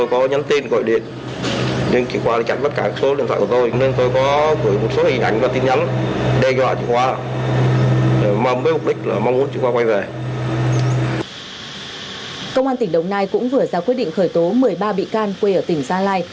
công an tỉnh đồng nai cũng vừa ra quyết định khởi tố một mươi ba bị can quê ở tỉnh gia lai